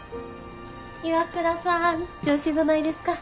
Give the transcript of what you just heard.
岩倉さん調子どないですか？